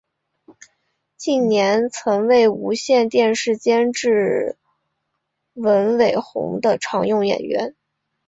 近年曾为无线电视监制文伟鸿的常用演员。